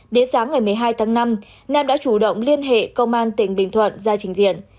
đến sáng ngày một mươi hai tháng năm nam đã chủ động liên hệ công an tỉnh bình thuận ra trình diện